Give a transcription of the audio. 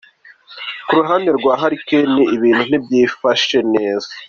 Ku ruhande rwa Harry Kane, ibintu ntivyifashe neza.